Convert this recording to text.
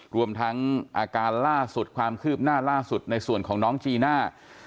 รวมทั้งอาการล่าสุดความคืบหน้าล่าสุดในส่วนของน้องจีน่า